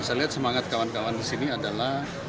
saya lihat semangat kawan kawan di sini adalah